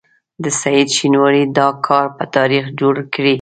د سعید شینواري دا کار به تاریخ جوړ کړي.